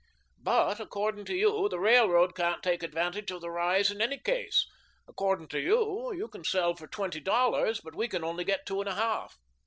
"But, according to you, the railroad can't take advantage of the rise in any case. According to you, you can sell for twenty dollars, but we can only get two and a half."